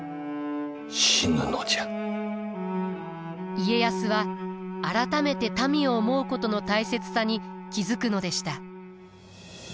家康は改めて民を思うことの大切さに気付くのでした。